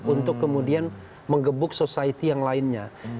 untuk kemudian menggebuk society yang lainnya